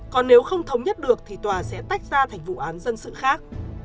còn nếu không thống nhất được thì tòa sẽ tách ra thành vụ án dân sự khác